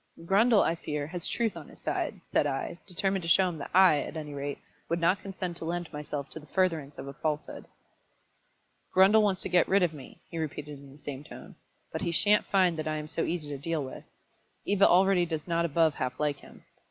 "Grundle, I fear, has truth on his side," said I, determined to show him that I, at any rate, would not consent to lend myself to the furtherance of a falsehood. "Grundle wants to get rid of me," he repeated in the same tone. "But he shan't find that I am so easy to deal with. Eva already does not above half like him.